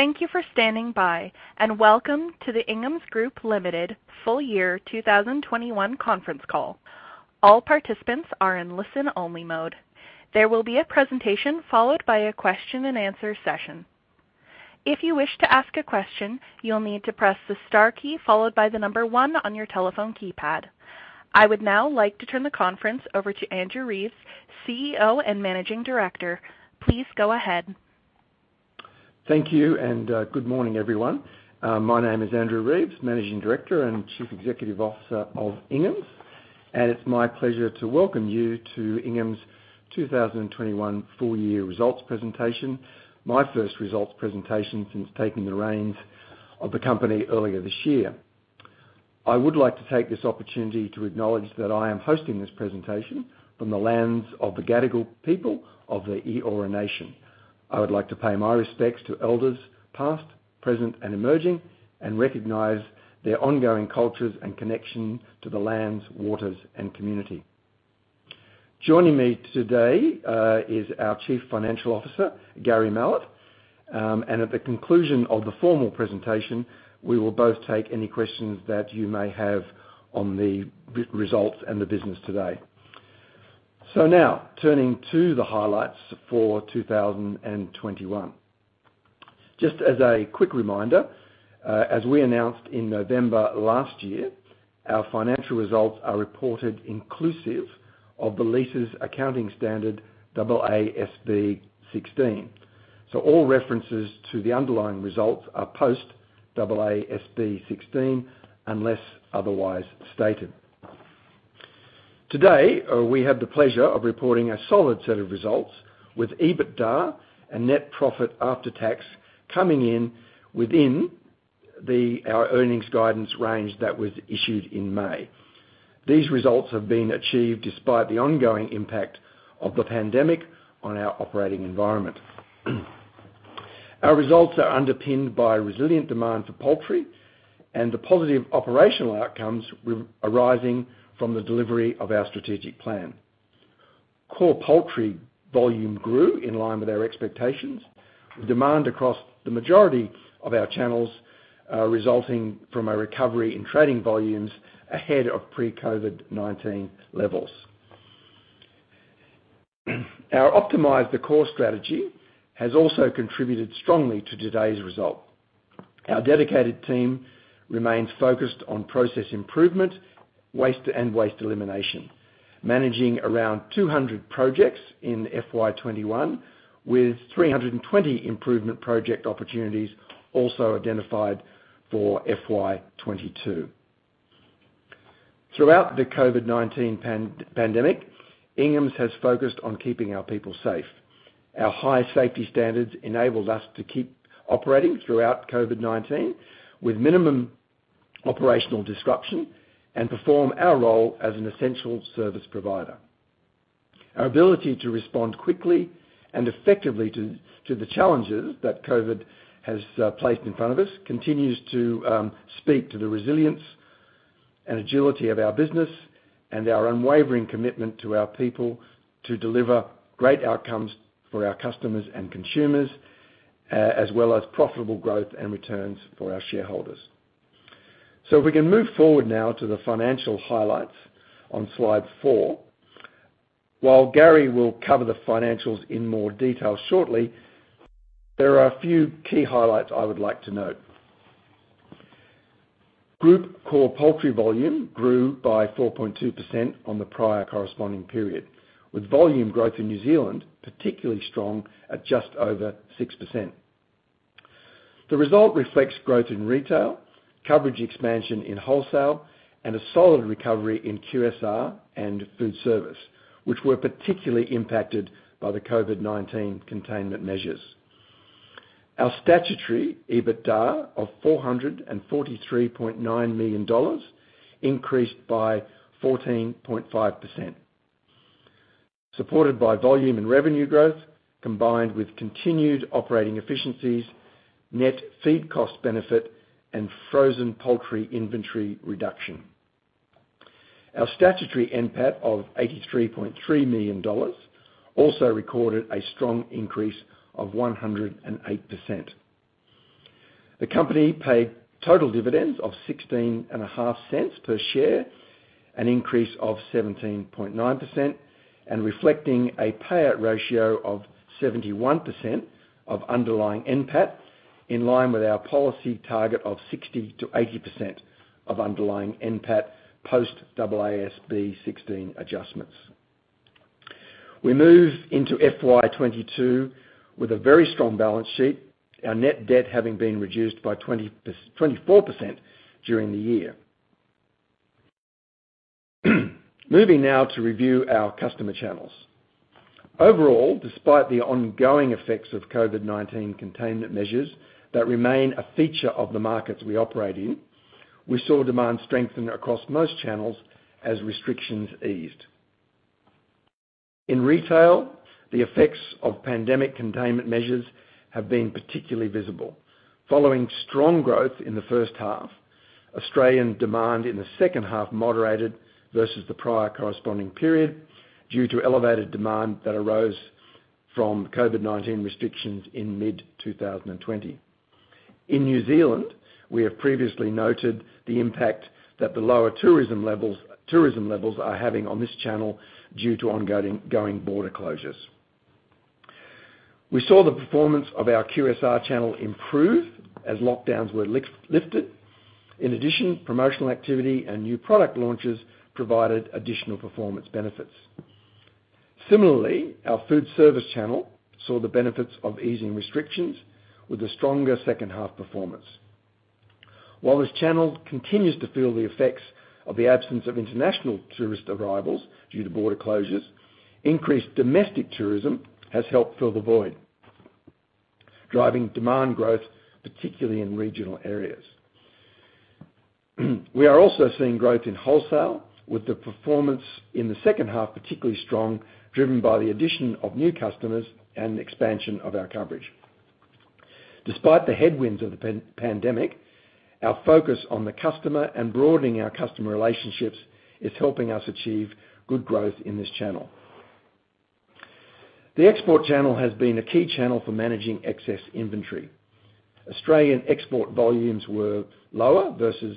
Thank you for standing by, and welcome to the Ingham's Group Limited full year 2021 conference call. All participants are in listen-only mode. There will be a presentation followed by a question and answer session. If you wish to ask a question, you'll need to press the star key followed by the number one on your telephone keypad. I would now like to turn the conference over to Andrew Reeves, CEO and Managing Director. Please go ahead. Thank you, and good morning, everyone. My name is Andrew Reeves, Managing Director and Chief Executive Officer of Ingham's. It's my pleasure to welcome you to Ingham's' 2021 full year results presentation, my first results presentation since taking the reins of the company earlier this year. I would like to take this opportunity to acknowledge that I am hosting this presentation from the lands of the Gadigal people of the Eora Nation. I would like to pay my respects to elders past, present, and emerging, and recognize their ongoing cultures and connection to the lands, waters, and community. Joining me today is our Chief Financial Officer, Gary Mallett. At the conclusion of the formal presentation, we will both take any questions that you may have on the results and the business today. Now, turning to the highlights for 2021. Just as a quick reminder, as we announced in November last year, our financial results are reported inclusive of the leases accounting standard AASB 16. All references to the underlying results are post AASB 16, unless otherwise stated. Today, we have the pleasure of reporting a solid set of results, with EBITDA and net profit after tax coming in within our earnings guidance range that was issued in May. These results have been achieved despite the ongoing impact of the pandemic on our operating environment. Our results are underpinned by resilient demand for poultry, and the positive operational outcomes arising from the delivery of our strategic plan. Core poultry volume grew in line with our expectations, with demand across the majority of our channels resulting from a recovery in trading volumes ahead of pre-COVID-19 levels. Our Optimize the Core strategy has also contributed strongly to today's result. Our dedicated team remains focused on process improvement and waste elimination. Managing around 200 projects in FY 2021, with 320 improvement project opportunities also identified for FY 2022. Throughout the COVID-19 pandemic, Ingham's has focused on keeping our people safe. Our high safety standards enabled us to keep operating throughout COVID-19 with minimum operational disruption, and perform our role as an essential service provider. Our ability to respond quickly and effectively to the challenges that COVID has placed in front of us continues to speak to the resilience and agility of our business, and our unwavering commitment to our people to deliver great outcomes for our customers and consumers, as well as profitable growth and returns for our shareholders. If we can move forward now to the financial highlights on slide four. While Gary will cover the financials in more detail shortly, there are a few key highlights I would like to note. Group core poultry volume grew by 4.2% on the prior corresponding period, with volume growth in New Zealand particularly strong at just over 6%. The result reflects growth in retail, coverage expansion in wholesale, and a solid recovery in QSR and food service, which were particularly impacted by the COVID-19 containment measures. Our statutory EBITDA of 443.9 million dollars increased by 14.5%, supported by volume and revenue growth, combined with continued operating efficiencies, net feed cost benefit, and frozen poultry inventory reduction. Our statutory NPAT of 83.3 million dollars also recorded a strong increase of 108%. The company paid total dividends of 0.165 per share, an increase of 17.9%, and reflecting a payout ratio of 71% of underlying NPAT, in line with our policy target of 60%-80% of underlying NPAT post AASB 16 adjustments. We move into FY 2022 with a very strong balance sheet, our net debt having been reduced by 24% during the year. Moving now to review our customer channels. Overall, despite the ongoing effects of COVID-19 containment measures that remain a feature of the markets we operate in, we saw demand strengthen across most channels as restrictions eased. In retail, the effects of pandemic containment measures have been particularly visible. Following strong growth in the first half-Australian demand in the second half moderated versus the prior corresponding period due to elevated demand that arose from COVID-19 restrictions in mid-2020. In New Zealand, we have previously noted the impact that the lower tourism levels are having on this channel due to ongoing border closures. We saw the performance of our QSR channel improve as lockdowns were lifted. In addition, promotional activity and new product launches provided additional performance benefits. Similarly, our food service channel saw the benefits of easing restrictions with a stronger second half performance. While this channel continues to feel the effects of the absence of international tourist arrivals due to border closures, increased domestic tourism has helped fill the void, driving demand growth, particularly in regional areas. We are also seeing growth in wholesale with the performance in the second half particularly strong, driven by the addition of new customers and expansion of our coverage. Despite the headwinds of the pandemic, our focus on the customer and broadening our customer relationships is helping us achieve good growth in this channel. The export channel has been a key channel for managing excess inventory. Australian export volumes were lower versus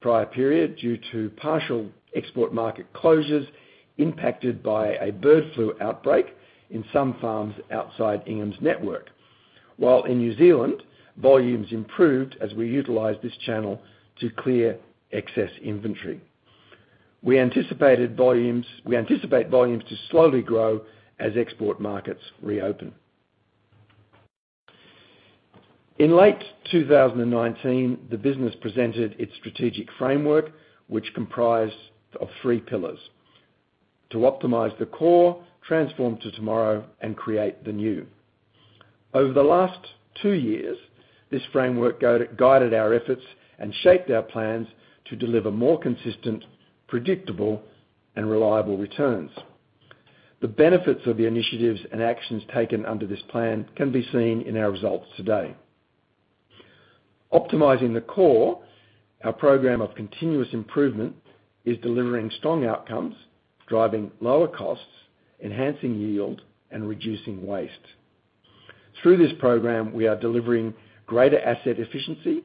prior period due to partial export market closures impacted by a bird flu outbreak in some farms outside Ingham's' network. While in New Zealand, volumes improved as we utilized this channel to clear excess inventory. We anticipate volumes to slowly grow as export markets reopen. In late 2019, the business presented its strategic framework, which comprised of three pillars. To Optimize the Core, Transform to Tomorrow, and Create the New. Over the last two years, this framework guided our efforts and shaped our plans to deliver more consistent, predictable, and reliable returns. The benefits of the initiatives and actions taken under this plan can be seen in our results today. Optimizing the core, our program of continuous improvement, is delivering strong outcomes, driving lower costs, enhancing yield, and reducing waste. Through this program, we are delivering greater asset efficiency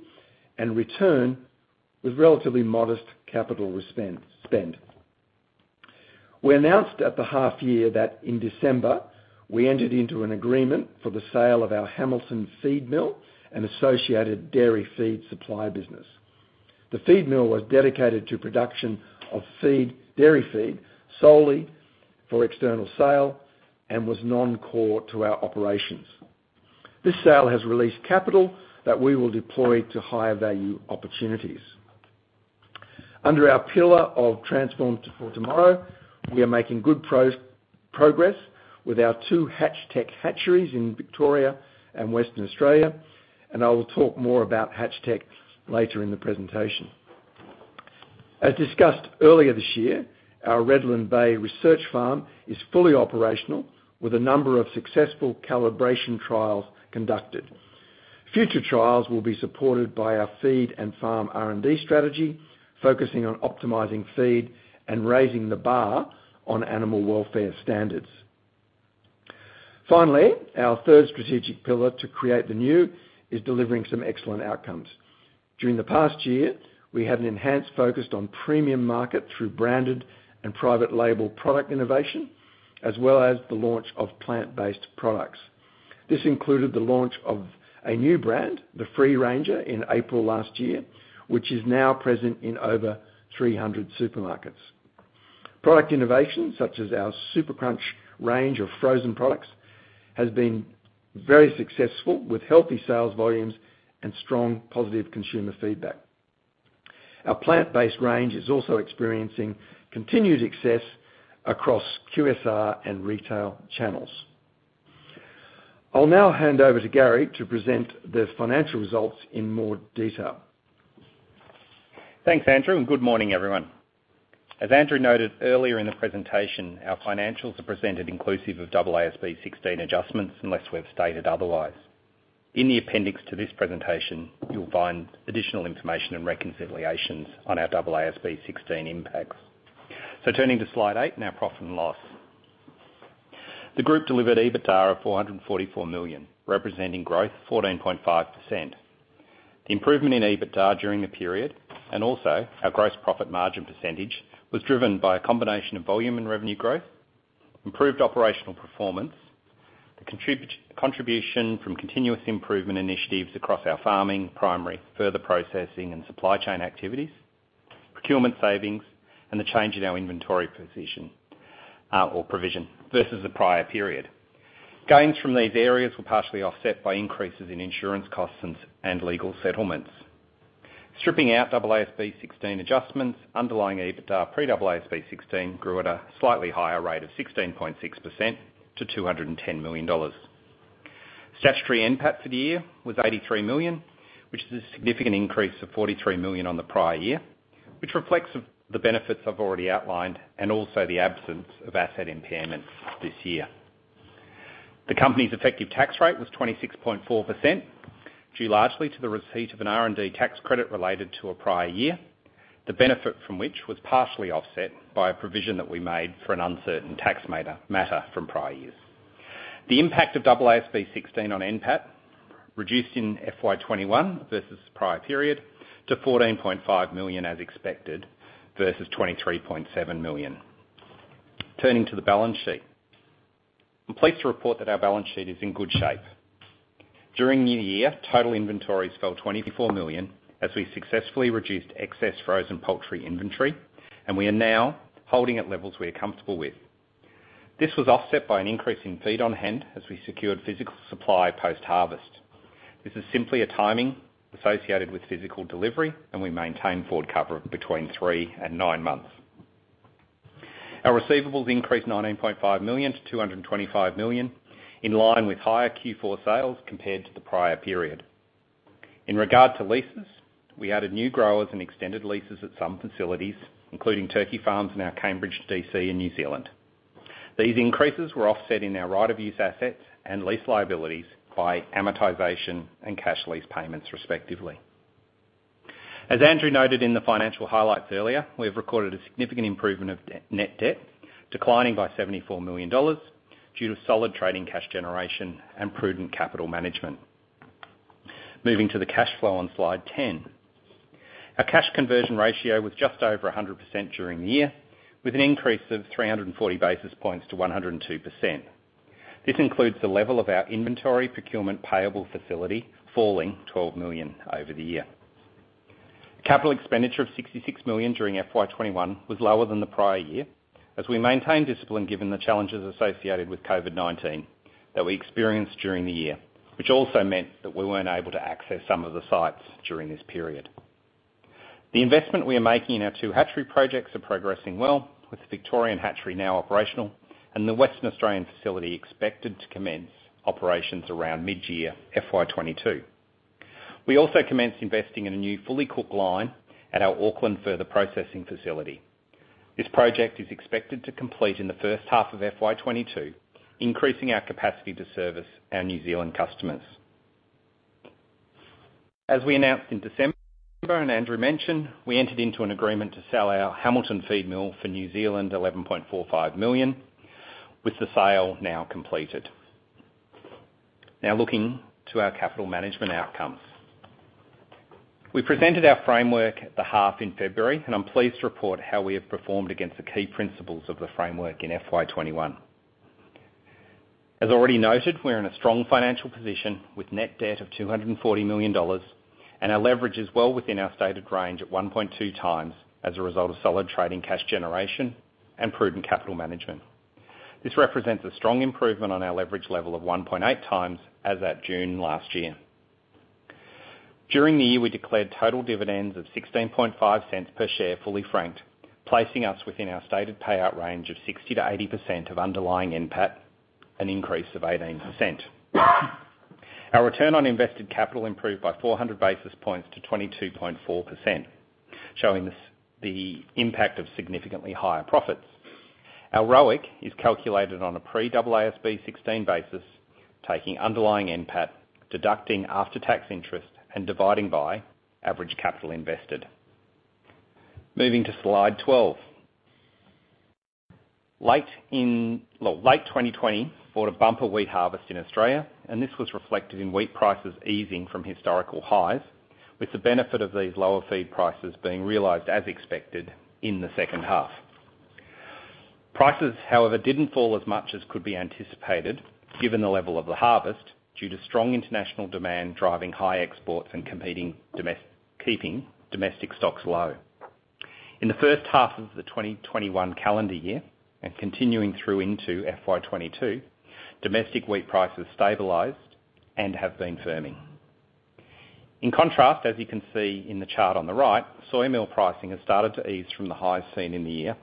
and return with relatively modest capital spend. We announced at the half year that in December we entered into an agreement for the sale of our Hamilton feed mill and associated dairy feed supply business. The feed mill was dedicated to production of dairy feed solely for external sale and was non-core to our operations. This sale has released capital that we will deploy to higher value opportunities. Under our pillar of Transform for Tomorrow, we are making good progress with our two HatchTech hatcheries in Victoria and Western Australia, and I will talk more about HatchTech later in the presentation. As discussed earlier this year, our Redland Bay research farm is fully operational with a number of successful calibration trials conducted. Future trials will be supported by our feed and farm R&D strategy, focusing on optimizing feed and raising the bar on animal welfare standards. Finally, our third strategic pillar to Create the New is delivering some excellent outcomes. During the past year, we had an enhanced focus on premium market through branded and private label product innovation, as well as the launch of plant-based products. This included the launch of a new brand, The Free Ranger, in April last year, which is now present in over 300 supermarkets. Product innovation, such as our Super Crunch range of frozen products, has been very successful with healthy sales volumes and strong positive consumer feedback. Our plant-based range is also experiencing continued success across QSR and retail channels. I'll now hand over to Gary to present the financial results in more detail. Thanks, Andrew, good morning, everyone. As Andrew noted earlier in the presentation, our financials are presented inclusive of AASB 16 adjustments unless we've stated otherwise. In the appendix to this presentation, you'll find additional information and reconciliations on our AASB 16 impacts. Turning to Slide eight and our profit and loss. The group delivered EBITDA of 444 million, representing growth 14.5%. The improvement in EBITDA during the period, and also our gross profit margin percentage, was driven by a combination of volume and revenue growth, improved operational performance, the contribution from continuous improvement initiatives across our farming, primary, further processing, and supply chain activities, procurement savings, and the change in our inventory position, or provision versus the prior period. Gains from these areas were partially offset by increases in insurance costs and legal settlements. Stripping out AASB 16 adjustments, underlying EBITDA pre-AASB 16 grew at a slightly higher rate of 16.6% to 210 million dollars. Statutory NPAT for the year was 83 million, which is a significant increase of 43 million on the prior year, which reflects the benefits I've already outlined and also the absence of asset impairment this year. The company's effective tax rate was 26.4%, due largely to the receipt of an R&D tax credit related to a prior year, the benefit from which was partially offset by a provision that we made for an uncertain tax matter from prior years. The impact of AASB 16 on NPAT reduced in FY 2021 versus the prior period to 14.5 million as expected, versus 23.7 million. Turning to the balance sheet. I'm pleased to report that our balance sheet is in good shape. During the year, total inventories fell 24 million as we successfully reduced excess frozen poultry inventory. We are now holding at levels we are comfortable with. This was offset by an increase in feed on hand as we secured physical supply post-harvest. This is simply a timing associated with physical delivery. We maintain forward cover of between three and nine months. Our receivables increased 19.5 million to 225 million, in line with higher Q4 sales compared to the prior period. In regard to leases, we added new growers and extended leases at some facilities, including turkey farms and our Cambridge DC in New Zealand. These increases were offset in our right-of-use assets and lease liabilities by amortization and cash lease payments respectively. As Andrew noted in the financial highlights earlier, we have recorded a significant improvement of net debt declining by AUD 74 million due to solid trading cash generation and prudent capital management. Moving to the cash flow on slide 10. Our cash conversion ratio was just over 100% during the year, with an increase of 340 basis points to 102%. This includes the level of our inventory procurement payable facility falling 12 million over the year. Capital expenditure of 66 million during FY 2021 was lower than the prior year as we maintained discipline given the challenges associated with COVID-19 that we experienced during the year, which also meant that we weren't able to access some of the sites during this period. The investment we are making in our two hatchery projects are progressing well, with the Victorian hatchery now operational and the Western Australian facility expected to commence operations around mid-year FY 2022. We also commenced investing in a new fully cooked line at our Auckland further processing facility. This project is expected to complete in the first half of FY 2022, increasing our capacity to service our New Zealand customers. As we announced in December, and Andrew mentioned, we entered into an agreement to sell our Hamilton feed mill for 11.45 million, with the sale now completed. Looking to our capital management outcomes. We presented our framework at the half in February, and I'm pleased to report how we have performed against the key principles of the framework in FY 2021. As already noted, we're in a strong financial position with net debt of 240 million dollars, and our leverage is well within our stated range at 1.2x as a result of solid trading cash generation and prudent capital management. This represents a strong improvement on our leverage level of 1.8x as at June last year. During the year, we declared total dividends of 0.165 per share, fully franked, placing us within our stated payout range of 60%-80% of underlying NPAT, an increase of 18%. Our return on invested capital improved by 400 basis points to 22.4%, showing the impact of significantly higher profits. Our ROIC is calculated on a pre-AASB 16 basis, taking underlying NPAT, deducting after-tax interest, and dividing by average capital invested. Moving to slide 12. Late 2020 brought a bumper wheat harvest in Australia. This was reflected in wheat prices easing from historical highs, with the benefit of these lower feed prices being realized as expected in the second half. Prices, however, didn't fall as much as could be anticipated given the level of the harvest due to strong international demand driving high exports and keeping domestic stocks low. In the first half of the 2021 calendar year and continuing through into FY 2022, domestic wheat prices stabilized and have been firming. In contrast, as you can see in the chart on the right, soy meal pricing has started to ease from the highs seen in the year,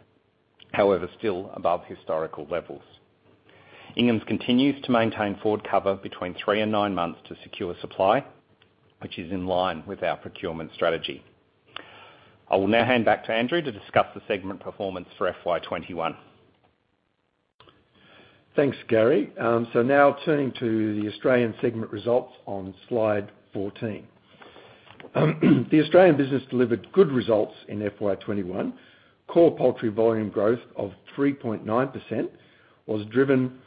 however still above historical levels. Ingham's continues to maintain forward cover between three and nine months to secure supply, which is in line with our procurement strategy. I will now hand back to Andrew to discuss the segment performance for FY 2021. Thanks, Gary. Now turning to the Australian segment results on slide 14. The Australian business delivered good results in FY 2021. Core poultry volume growth of 3.9% was driven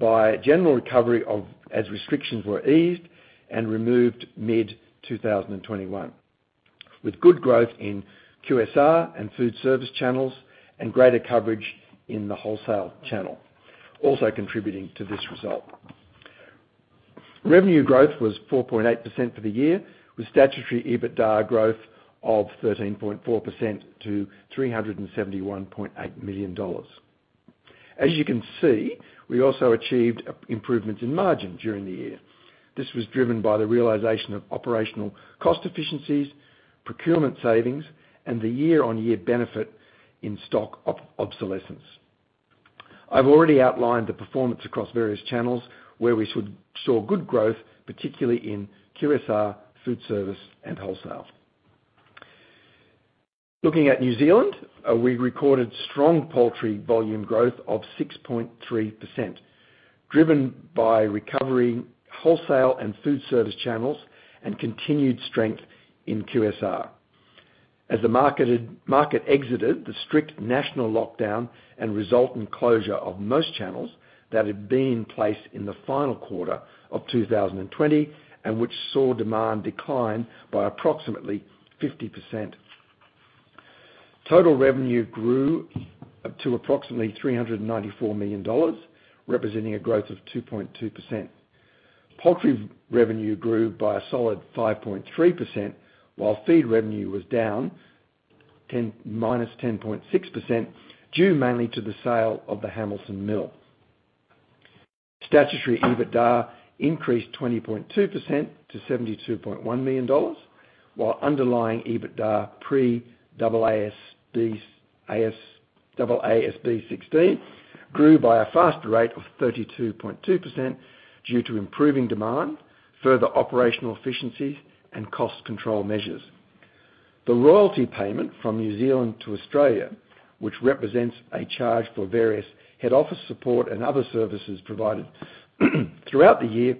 by general recovery as restrictions were eased and removed mid-2021, with good growth in QSR and food service channels and greater coverage in the wholesale channel also contributing to this result. Revenue growth was 4.8% for the year, with statutory EBITDA growth of 13.4% to AUD 371.8 million. As you can see, we also achieved improvements in margin during the year. This was driven by the realization of operational cost efficiencies, procurement savings, and the year-on-year benefit in stock obsolescence. I've already outlined the performance across various channels where we saw good growth, particularly in QSR, food service, and wholesale. Looking at New Zealand, we recorded strong poultry volume growth of 6.3%, driven by recovery wholesale and food service channels, and continued strength in QSR. As the market exited the strict national lockdown and resultant closure of most channels that had been in place in the final quarter of 2020, and which saw demand decline by approximately 50%. Total revenue grew up to approximately 394 million dollars, representing a growth of 2.2%. Poultry revenue grew by a solid 5.3%, while feed revenue was down -10.6%, due mainly to the sale of the Hamilton Mill. Statutory EBITDA increased 20.2% to 72.1 million dollars, while underlying EBITDA pre-AASB 16 grew by a faster rate of 32.2%, due to improving demand, further operational efficiencies, and cost control measures. The royalty payment from New Zealand to Australia, which represents a charge for various head office support and other services provided throughout the year,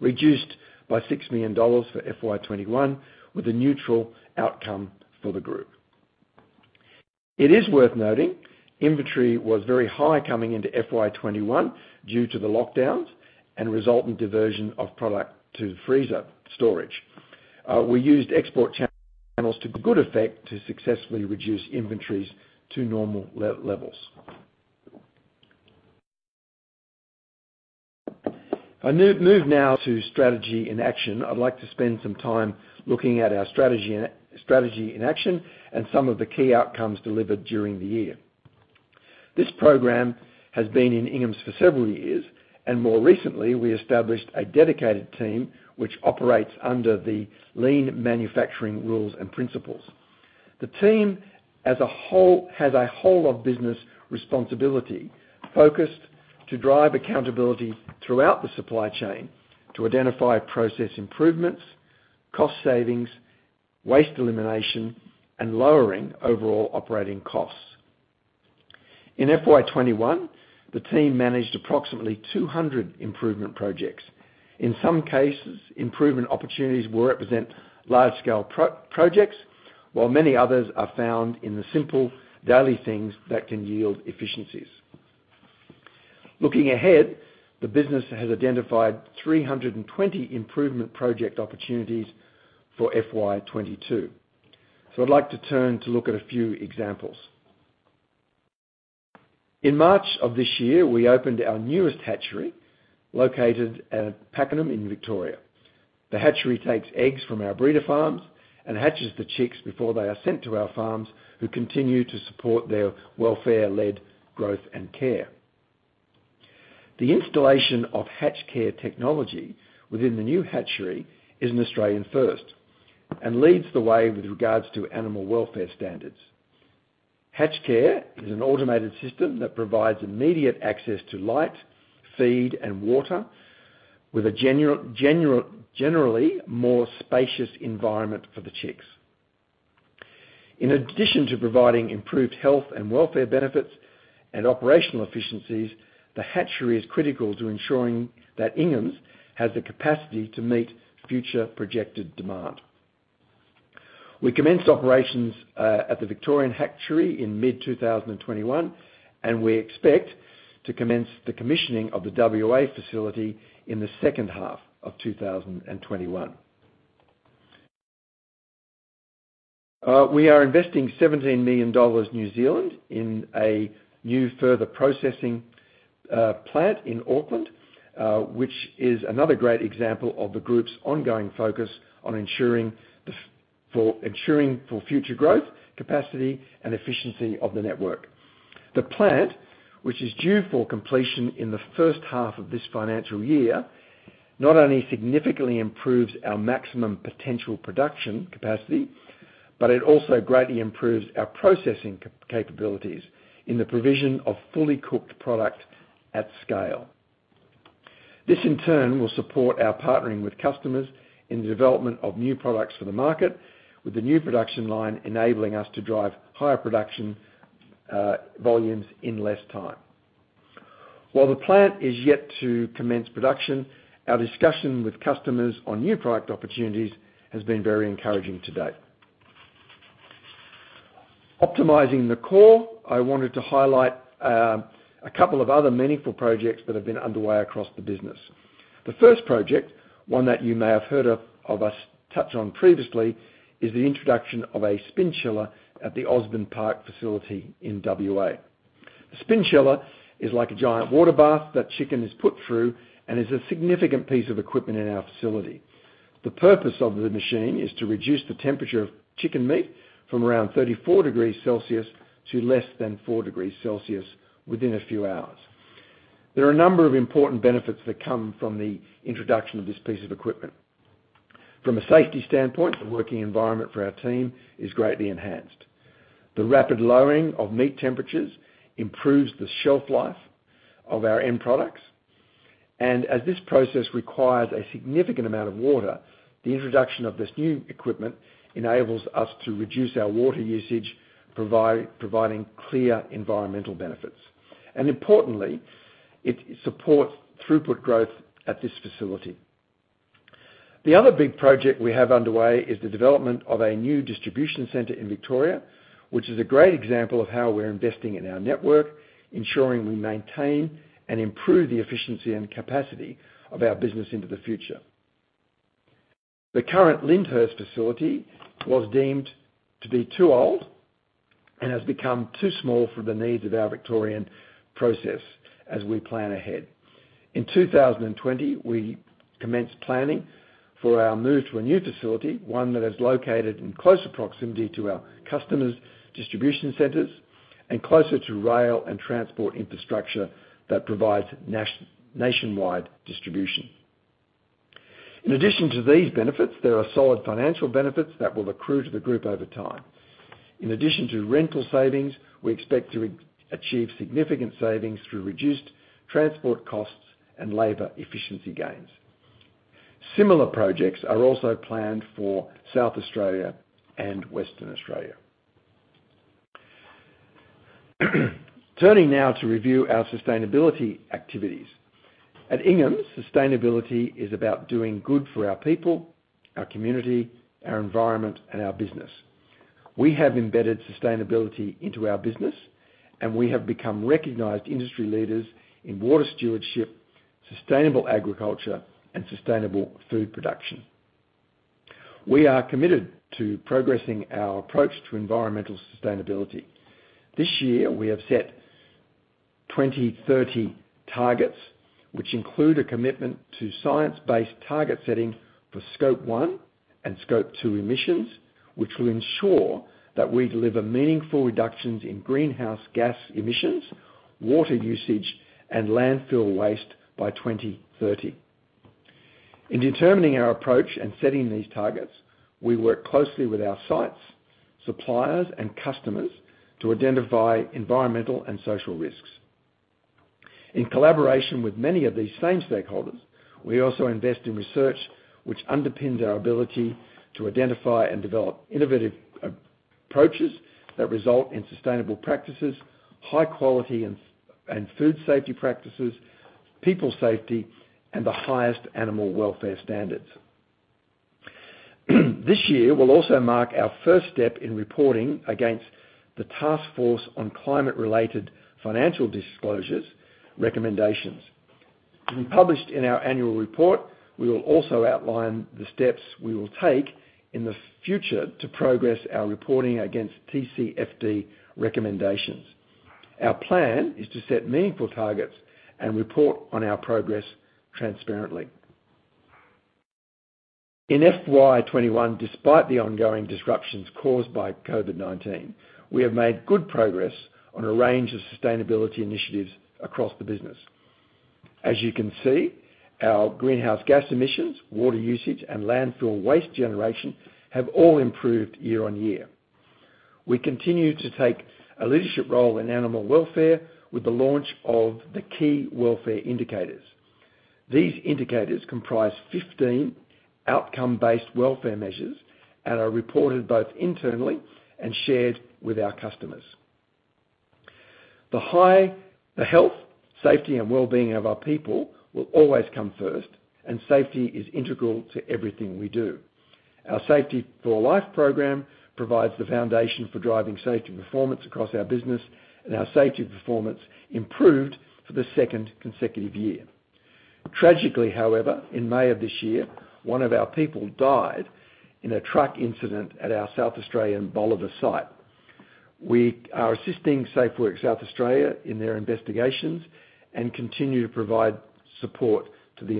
reduced by 6 million dollars for FY 2021, with a neutral outcome for the group. It is worth noting, inventory was very high coming into FY 2021 due to the lockdowns and resultant diversion of product to the freezer storage. We used export channels to good effect to successfully reduce inventories to normal levels. I move now to Strategy in Action. I'd like to spend some time looking at our Strategy in Action and some of the key outcomes delivered during the year. This program has been in Ingham's for several years, and more recently, we established a dedicated team which operates under the lean manufacturing rules and principles. The team has a whole of business responsibility, focused to drive accountability throughout the supply chain to identify process improvements, cost savings, waste elimination, and lowering overall operating costs. In FY 2021, the team managed approximately 200 improvement projects. In some cases, improvement opportunities will represent large-scale projects, while many others are found in the simple daily things that can yield efficiencies. Looking ahead, the business has identified 320 improvement project opportunities for FY 2022. I'd like to turn to look at a few examples. In March of this year, we opened our newest hatchery, located at Pakenham in Victoria. The hatchery takes eggs from our breeder farms and hatches the chicks before they are sent to our farms, who continue to support their welfare-led growth and care. The installation of HatchCare technology within the new hatchery is an Australian first, and leads the way with regards to animal welfare standards. HatchCare is an automated system that provides immediate access to light, feed, and water, with a generally more spacious environment for the chicks. In addition to providing improved health and welfare benefits and operational efficiencies, the hatchery is critical to ensuring that Ingham's has the capacity to meet future projected demand. We commenced operations at the Victorian hatchery in mid-2021, and we expect to commence the commissioning of the WA facility in the second half of 2021. We are investing 17 million New Zealand dollars in a new further processing plant in Auckland, which is another great example of the group's ongoing focus on ensuring for future growth, capacity, and efficiency of the network. The plant, which is due for completion in the first half of this financial year, not only significantly improves our maximum potential production capacity, but it also greatly improves our processing capabilities in the provision of fully cooked product at scale. This in turn will support our partnering with customers in the development of new products for the market, with the new production line enabling us to drive higher production volumes in less time. While the plant is yet to commence production, our discussion with customers on new product opportunities has been very encouraging to date. Optimizing the core, I wanted to highlight a couple of other meaningful projects that have been underway across the business. The first project, one that you may have heard of us touch on previously, is the introduction of a spin chiller at the Osborne Park facility in WA. A spin chiller is like a giant water bath that chicken is put through and is a significant piece of equipment in our facility. The purpose of the machine is to reduce the temperature of chicken meat from around 34 degrees Celsius to less than four degrees Celsius within a few hours. There are a number of important benefits that come from the introduction of this piece of equipment. From a safety standpoint, the working environment for our team is greatly enhanced. The rapid lowering of meat temperatures improves the shelf life of our end products. As this process requires a significant amount of water, the introduction of this new equipment enables us to reduce our water usage, providing clear environmental benefits. Importantly, it supports throughput growth at this facility. The other big project we have underway is the development of a new distribution center in Victoria, which is a great example of how we're investing in our network, ensuring we maintain and improve the efficiency and capacity of our business into the future. The current Lyndhurst facility was deemed to be too old and has become too small for the needs of our Victorian process as we plan ahead. In 2020, we commenced planning for our move to a new facility, one that is located in closer proximity to our customers' distribution centers and closer to rail and transport infrastructure that provides nationwide distribution. In addition to these benefits, there are solid financial benefits that will accrue to the group over time. In addition to rental savings, we expect to achieve significant savings through reduced transport costs and labor efficiency gains. Similar projects are also planned for South Australia and Western Australia. Turning now to review our sustainability activities. At Ingham's, sustainability is about doing good for our people, our community, our environment, and our business. We have embedded sustainability into our business, and we have become recognized industry leaders in water stewardship, sustainable agriculture, and sustainable food production. We are committed to progressing our approach to environmental sustainability. This year, we have set 2030 targets, which include a commitment to science-based target setting for Scope 1 and Scope 2 emissions, which will ensure that we deliver meaningful reductions in greenhouse gas emissions, water usage, and landfill waste by 2030. In determining our approach and setting these targets, we work closely with our sites, suppliers, and customers to identify environmental and social risks. In collaboration with many of these same stakeholders, we also invest in research, which underpins our ability to identify and develop innovative approaches that result in sustainable practices, high quality and food safety practices, people safety, and the highest animal welfare standards. This year will also mark our first step in reporting against the Task Force on Climate-related Financial Disclosures recommendations. To be published in our annual report, we will also outline the steps we will take in the future to progress our reporting against TCFD recommendations. Our plan is to set meaningful targets and report on our progress transparently. In FY 2021, despite the ongoing disruptions caused by COVID-19, we have made good progress on a range of sustainability initiatives across the business. As you can see, our greenhouse gas emissions, water usage, and landfill waste generation have all improved year-on-year. We continue to take a leadership role in animal welfare with the launch of the Key Welfare Indicators. These indicators comprise 15 outcome-based welfare measures and are reported both internally and shared with our customers. The health, safety, and well-being of our people will always come first, and safety is integral to everything we do. Our Safety For Life program provides the foundation for driving safety performance across our business, and our safety performance improved for the second consecutive year. Tragically, however, in May of this year, one of our people died in a truck incident at our South Australian Bolivar site. We are assisting SafeWork South Australia in their investigations and continue to provide support to the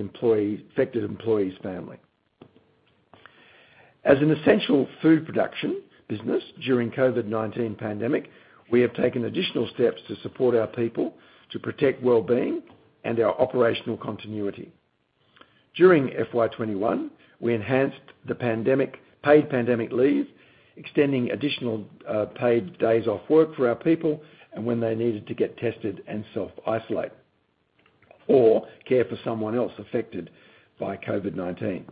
affected employee's family. As an essential food production business during COVID-19 pandemic, we have taken additional steps to support our people, to protect well-being and our operational continuity. During FY 2021, we enhanced the paid pandemic leave, extending additional paid days off work for our people when they needed to get tested and self-isolate or care for someone else affected by COVID-19.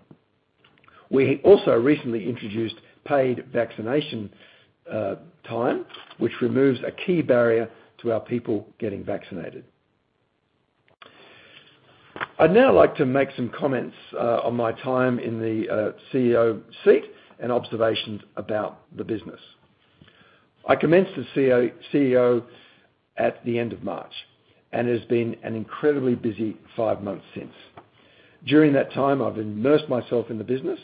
We also recently introduced paid vaccination time, which removes a key barrier to our people getting vaccinated. I'd now like to make some comments on my time in the CEO seat and observations about the business. I commenced as CEO at the end of March, it has been an incredibly busy five months since. During that time, I've immersed myself in the business,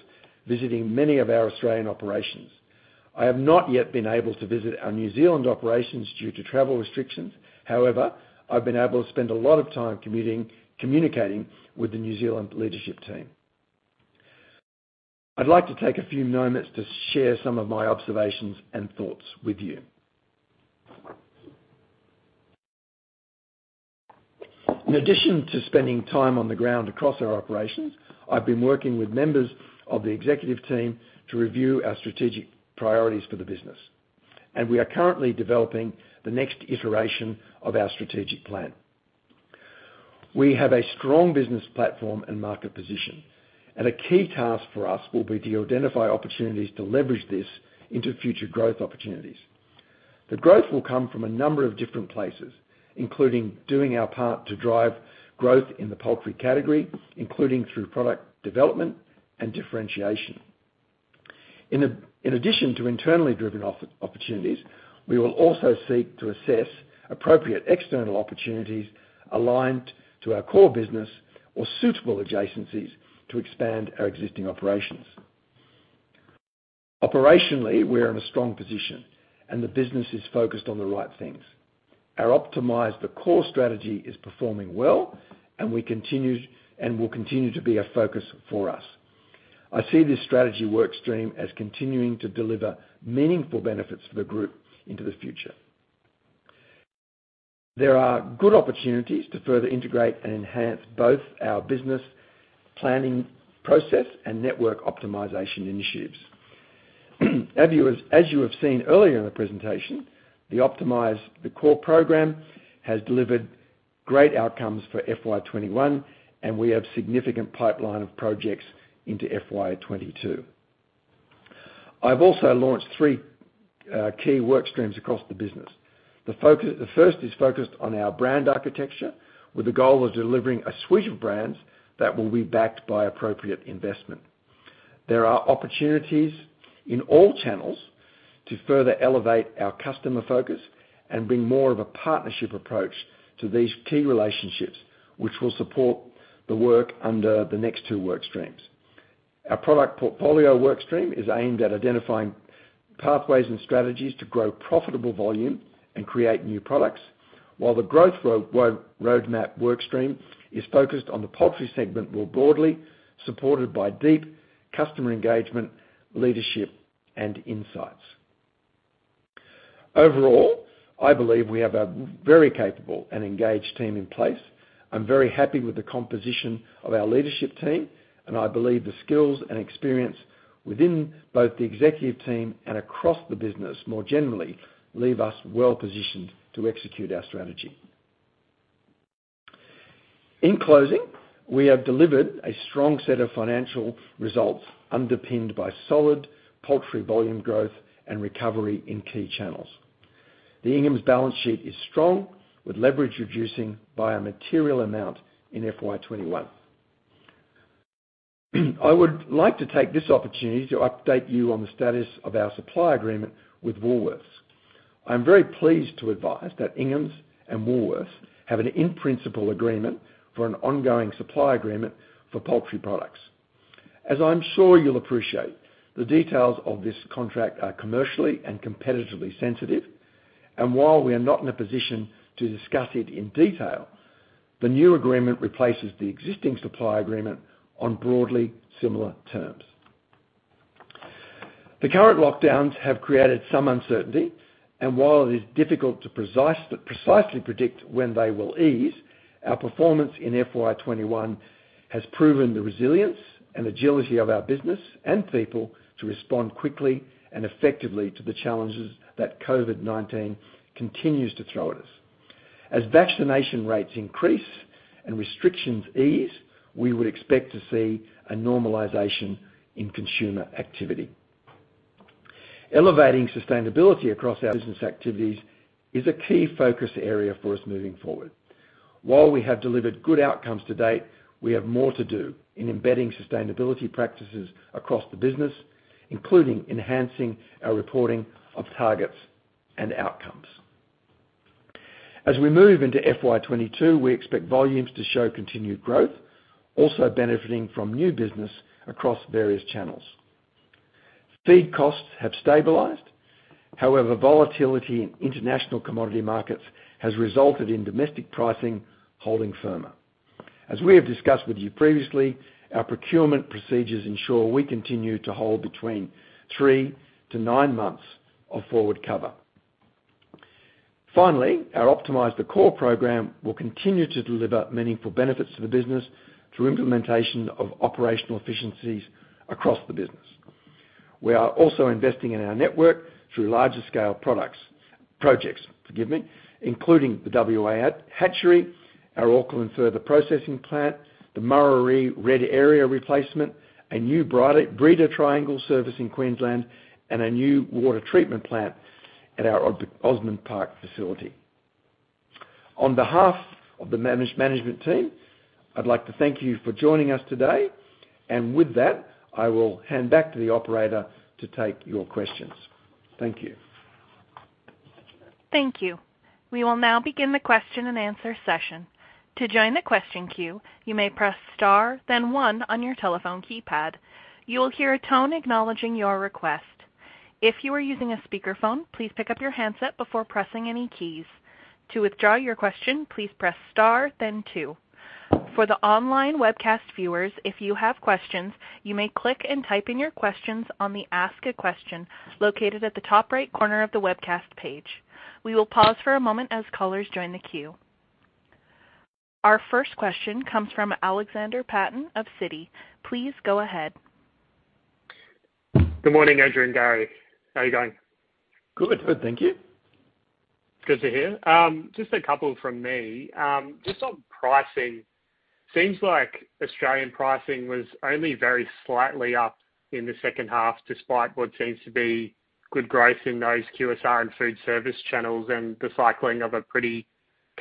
visiting many of our Australian operations. I have not yet been able to visit our New Zealand operations due to travel restrictions. However, I've been able to spend a lot of time communicating with the New Zealand leadership team. I'd like to take a few moments to share some of my observations and thoughts with you. In addition to spending time on the ground across our operations, I've been working with members of the executive team to review our strategic priorities for the business. We are currently developing the next iteration of our strategic plan. We have a strong business platform and market position, and a key task for us will be to identify opportunities to leverage this into future growth opportunities. The growth will come from a number of different places, including doing our part to drive growth in the poultry category, including through product development and differentiation. In addition to internally driven opportunities, we will also seek to assess appropriate external opportunities aligned to our core business or suitable adjacencies to expand our existing operations. Operationally, we are in a strong position, and the business is focused on the right things. Our Optimize the Core strategy is performing well and will continue to be a focus for us. I see this strategy work stream as continuing to deliver meaningful benefits for the group into the future. There are good opportunities to further integrate and enhance both our business planning process and network optimization initiatives. As you have seen earlier in the presentation, the Optimize the Core program has delivered great outcomes for FY 2021, and we have significant pipeline of projects into FY 2022. I've also launched three key work streams across the business. The first is focused on our brand architecture with the goal of delivering a suite of brands that will be backed by appropriate investment. There are opportunities in all channels to further elevate our customer focus and bring more of a partnership approach to these key relationships, which will support the work under the next two work streams. Our product portfolio work stream is aimed at identifying pathways and strategies to grow profitable volume and create new products, while the growth roadmap work stream is focused on the poultry segment more broadly, supported by deep customer engagement, leadership, and insights. Overall, I believe we have a very capable and engaged team in place. I'm very happy with the composition of our leadership team, and I believe the skills and experience within both the executive team and across the business more generally leave us well-positioned to execute our strategy. In closing, we have delivered a strong set of financial results underpinned by solid poultry volume growth and recovery in key channels. The Ingham's balance sheet is strong, with leverage reducing by a material amount in FY 2021. I would like to take this opportunity to update you on the status of our supply agreement with Woolworths. I am very pleased to advise that Ingham's and Woolworths have an in-principle agreement for an ongoing supply agreement for poultry products. As I am sure you will appreciate, the details of this contract are commercially and competitively sensitive, and while we are not in a position to discuss it in detail, the new agreement replaces the existing supply agreement on broadly similar terms. The current lockdowns have created some uncertainty, and while it is difficult to precisely predict when they will ease, our performance in FY 2021 has proven the resilience and agility of our business and people to respond quickly and effectively to the challenges that COVID-19 continues to throw at us. As vaccination rates increase and restrictions ease, we would expect to see a normalization in consumer activity. Elevating sustainability across our business activities is a key focus area for us moving forward. While we have delivered good outcomes to date, we have more to do in embedding sustainability practices across the business, including enhancing our reporting of targets and outcomes. As we move into FY 2022, we expect volumes to show continued growth, also benefiting from new business across various channels. Feed costs have stabilized. However, volatility in international commodity markets has resulted in domestic pricing holding firmer. As we have discussed with you previously, our procurement procedures ensure we continue to hold between three to nine months of forward cover. Finally, our Optimize the Core program will continue to deliver meaningful benefits to the business through implementation of operational efficiencies across the business. We are also investing in our network through larger-scale projects, forgive me, including the WA hatchery, our Auckland Further Processing Plant, the Murarrie Red Area Replacement, a new breeder triangle service in Queensland, and a new water treatment plant at our Osborne Park facility. On behalf of the management team, I'd like to thank you for joining us today. With that, I will hand back to the operator to take your questions. Thank you. Thank you. We will now begin the question and answer session. To join the question queue, you may press star then one on your telephone keypad. You will hear a tone acknowledging your request. If you are using a speakerphone, please pick up your handset before pressing any keys. To withdraw your question, please press star then two. For the online webcast viewers, if you have questions, you may click and type in your questions on the Ask a Question located at the top right corner of the webcast page. We will pause for a moment as callers join the queue. Our first question comes from Alexander Patton of Citi. Please go ahead. Good morning, Andrew and Gary. How are you going? Good. Good. Thank you. Good to hear. Just a couple from me. Just on pricing, seems like Australian pricing was only very slightly up in the second half, despite what seems to be good growth in those QSR and food service channels and the cycling of a pretty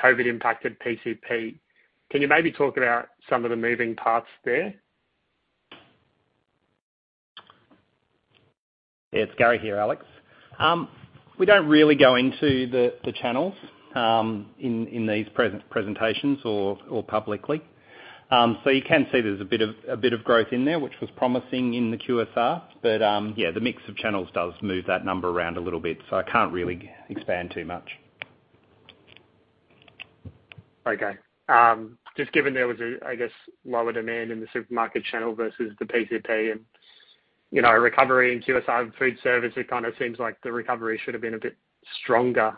COVID impacted PCP. Can you maybe talk about some of the moving parts there? Yeah, it's Gary here, Alex. We don't really go into the channels, in these presentations or publicly. You can see there's a bit of growth in there, which was promising in the QSR. Yeah, the mix of channels does move that number around a little bit, so I can't really expand too much. Okay. Just given there was, I guess, lower demand in the supermarket channel versus the PCP and a recovery in QSR and food service, it kind of seems like the recovery should've been a bit stronger.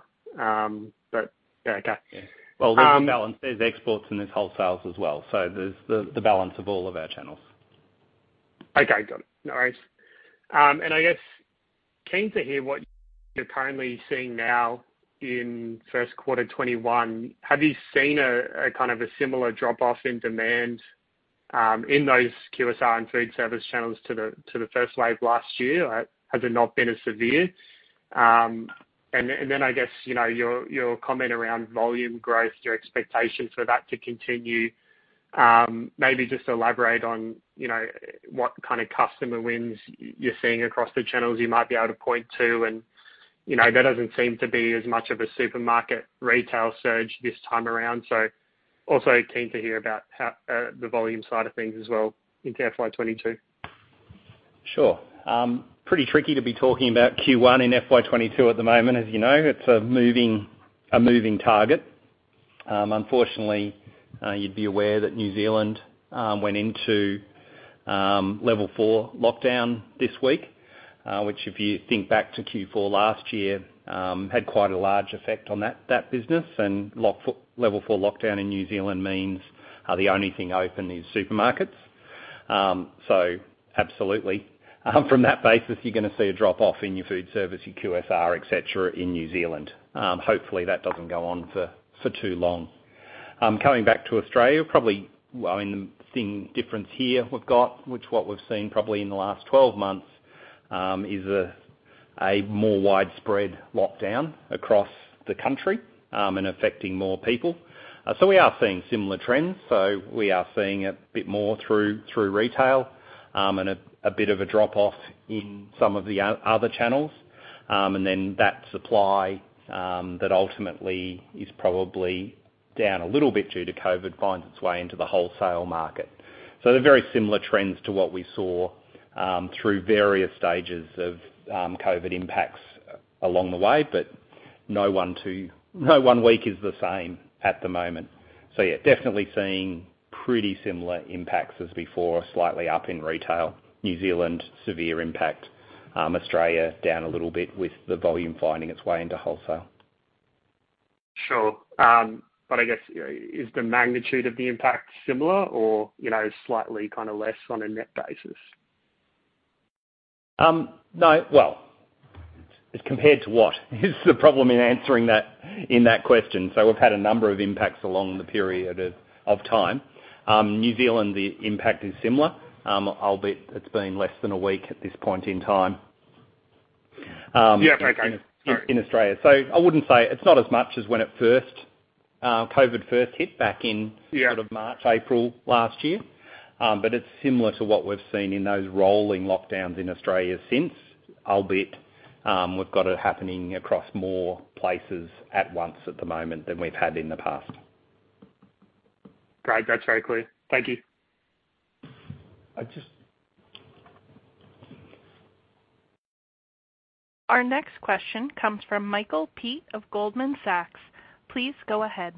Yeah, okay. Yeah. Well, there's a balance. There's exports and there's wholesales as well. There's the balance of all of our channels. Okay, got it. No worries. I guess, keen to hear what you're currently seeing now in first quarter 2021. Have you seen a kind of a similar drop-off in demand, in those QSR and food service channels to the first wave last year? Has it not been as severe? I guess, your comment around volume growth, your expectations for that to continue, maybe just elaborate on what kind of customer wins you're seeing across the channels you might be able to point to. That doesn't seem to be as much of a supermarket retail surge this time around, also keen to hear about how the volume side of things as well into FY 2022. Sure. Pretty tricky to be talking about Q1 and FY 2022 at the moment. As you know, it's a moving target. Unfortunately, you'd be aware that New Zealand went into Level 4 lockdown this week. Which if you think back to Q4 last year, had quite a large effect on that business, and Level 4 lockdown in New Zealand means, the only thing open is supermarkets. Absolutely, from that basis you're going to see a drop-off in your food service, your QSR, et cetera, in New Zealand. Hopefully, that doesn't go on for too long. Coming back to Australia, probably the main difference here we've got, which what we've seen probably in the last 12 months, is a more widespread lockdown across the country, and affecting more people. We are seeing similar trends. We are seeing a bit more through retail, and a bit of a drop-off in some of the other channels. Then that supply, that ultimately is probably down a little bit due to COVID finds its way into the wholesale market. They are very similar trends to what we saw through various stages of COVID impacts along the way, but no one week is the same at the moment. Yeah, definitely seeing pretty similar impacts as before, slightly up in retail. New Zealand, severe impact. Australia, down a little bit with the volume finding its way into wholesale. Sure. I guess, is the magnitude of the impact similar or slightly less on a net basis? Well, compared to what is the problem in answering that in that question. We've had a number of impacts along the period of time. New Zealand, the impact is similar, albeit it's been less than a week at this point in time. Yeah. Okay. Sorry. In Australia. I wouldn't say, it's not as much as when COVID first hit back. Yeah. Sort of March, April last year, it's similar to what we've seen in those rolling lockdowns in Australia since, albeit, we've got it happening across more places at once at the moment than we've had in the past. Great. That's very clear. Thank you. I just. Our next question comes from Michael Peet of Goldman Sachs. Please go ahead.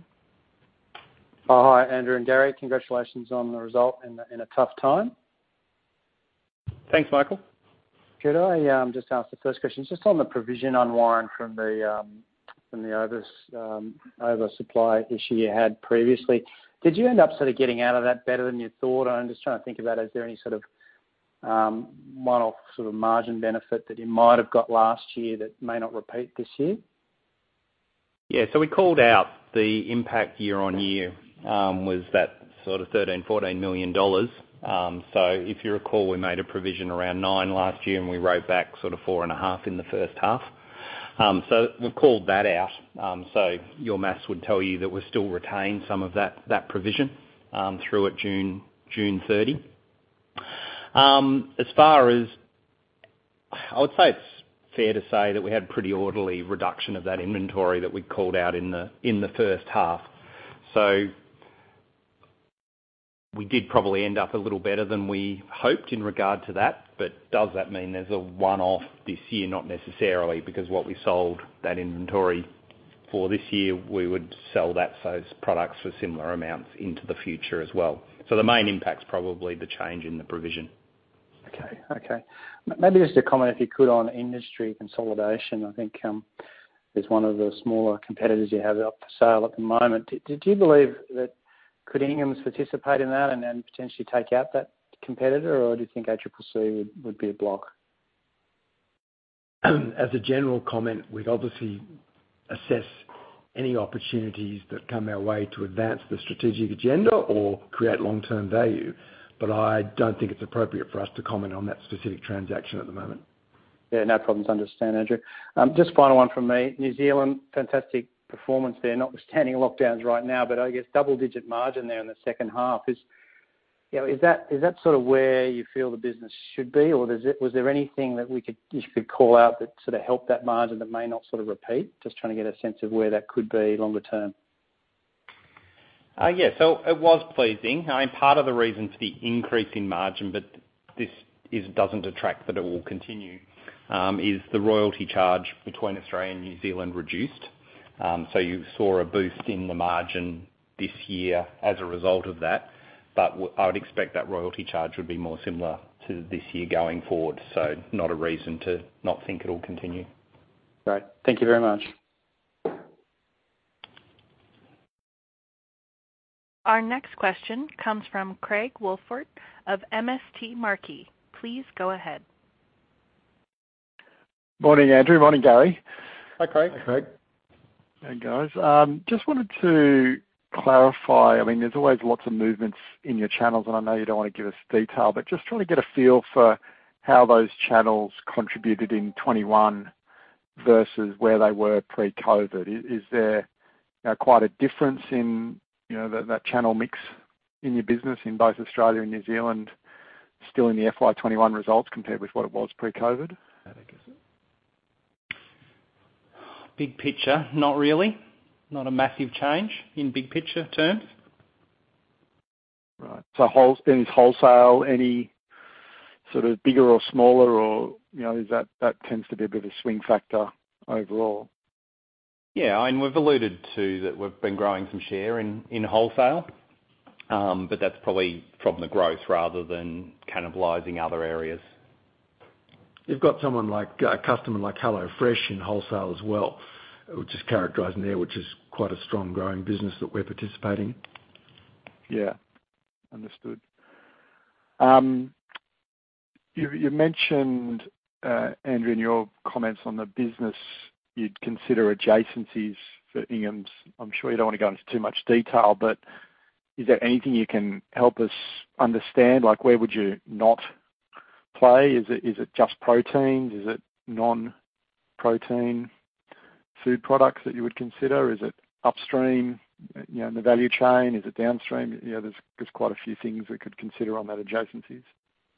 Oh, hi, Andrew and Gary. Congratulations on the result in a tough time. Thanks, Michael. Could I just ask the first question? Just on the provision on, Warren, from the oversupply issue you had previously, did you end up sort of getting out of that better than you thought? I'm just trying to think about, is there any sort of one-off margin benefit that you might have got last year that may not repeat this year? We called out the impact year-on-year, was that sort of 13 million, 14 million dollars. If you recall, we made a provision around 9 million last year, and we wrote back sort of 4.5 million in the first half. We've called that out, so your math would tell you that we still retained some of that provision through at June 30. I would say it's fair to say that we had pretty orderly reduction of that inventory that we'd called out in the first half. We did probably end up a little better than we hoped in regard to that. Does that mean there's a one-off this year? Not necessarily, because what we sold that inventory for this year, we would sell those products for similar amounts into the future as well. The main impact's probably the change in the provision. Okay. Maybe just a comment, if you could, on industry consolidation. I think there's one of the smaller competitors you have up for sale at the moment. Do you believe that could Ingham's participate in that and then potentially take out that competitor? Do you think ACCC would be a block? As a general comment, we'd obviously assess any opportunities that come our way to advance the strategic agenda or create long-term value. I don't think it's appropriate for us to comment on that specific transaction at the moment. No problems. Understand, Andrew. Just final one from me. New Zealand, fantastic performance there, notwithstanding lockdowns right now, but I guess double-digit margin there in the second half. Is that sort of where you feel the business should be, or was there anything that you could call out that helped that margin that may not repeat? Just trying to get a sense of where that could be longer term. It was pleasing. Part of the reason for the increase in margin, but this doesn't detract that it will continue, is the royalty charge between Australia and New Zealand reduced. You saw a boost in the margin this year as a result of that. I would expect that royalty charge would be more similar to this year going forward. Not a reason to not think it'll continue. Great. Thank you very much. Our next question comes from Craig Woolford of MST Marquee. Please go ahead. Morning, Andrew. Morning, Gary. Hi, Craig. Hi, Craig. Hey, guys. Just wanted to clarify, there is always lots of movements in your channels, and I know you don't want to give us detail, but just trying to get a feel for how those channels contributed in 2021 versus where they were pre-COVID. Is there quite a difference in that channel mix in your business in both Australia and New Zealand still in the FY 2021 results compared with what it was pre-COVID? Big picture, not really. Not a massive change in big picture terms. Right. Is wholesale any sort of bigger or smaller or that tends to be a bit of a swing factor overall? Yeah. We've alluded to that we've been growing some share in wholesale. That's probably from the growth rather than cannibalizing other areas. You've got a customer like HelloFresh in wholesale as well, which is characterizing there, which is quite a strong growing business that we're participating in. Yeah. Understood. You mentioned, Andrew, in your comments on the business you'd consider adjacencies for Ingham's. I'm sure you don't want to go into too much detail, but is there anything you can help us understand? Where would you not play? Is it just proteins? Is it non-protein food products that you would consider? Is it upstream in the value chain? Is it downstream? There's quite a few things we could consider on that adjacencies?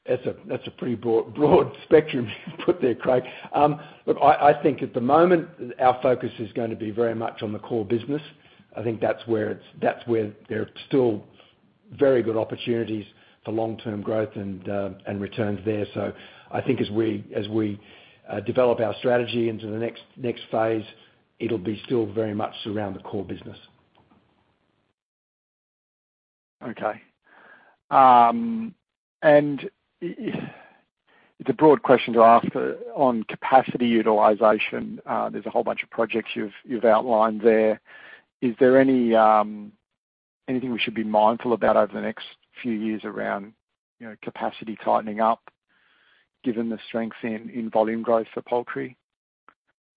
That's a pretty broad spectrum you've put there, Craig. Look, I think at the moment, our focus is going to be very much on the core business. I think that's where there are still very good opportunities for long-term growth and returns there. I think as we develop our strategy into the next phase, it'll be still very much around the core business. Okay. It's a broad question to ask on capacity utilization. There's a whole bunch of projects you've outlined there. Is there anything we should be mindful about over the next few years around capacity tightening up, given the strengths in volume growth for poultry?